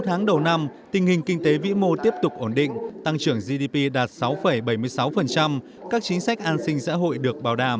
bốn tháng đầu năm tình hình kinh tế vĩ mô tiếp tục ổn định tăng trưởng gdp đạt sáu bảy mươi sáu các chính sách an sinh xã hội được bảo đảm